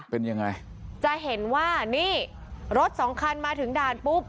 เป็นยังไงจะเห็นว่านี่รถสองคันมาถึงด่านปุ๊บ